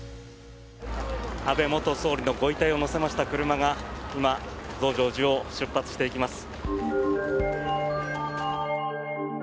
安倍元総理のご遺体を乗せました車が今、増上寺を出発していきます。